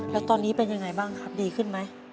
แล้วตอนนี้เป็นยังไงบ้างครับดีขึ้นไหม